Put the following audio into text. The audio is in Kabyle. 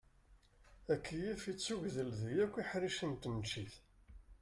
Akeyyef ittugdel di yakk iḥricen n tneččit.